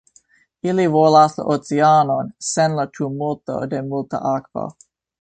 Ili volas la oceanon sen la tumulto de multa akvo.